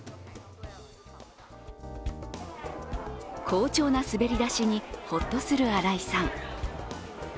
好調な滑り出しにほっとする荒井さん。